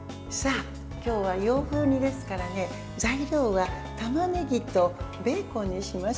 今日は洋風煮ですからね、材料はたまねぎとベーコンにします。